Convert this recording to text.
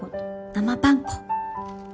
生パン粉？